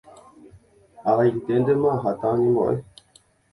Ag̃aiténtema aháta añembo'e.